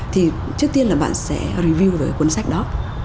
thì trước tiên là bạn sẽ review với cuốn sách đó